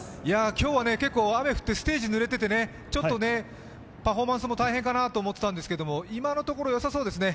今日は結構雨降って、ステージぬれててちょっとパフォーマンスも大変かなと思ってたんですけど今のところ、よさそうですね？